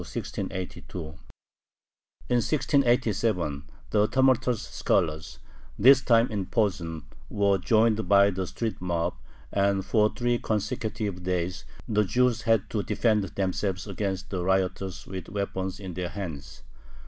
In 1687 the tumultuous scholars, this time in Posen, were joined by the street mob, and for three consecutive days the Jews had to defend themselves against the rioters with weapons in their hands.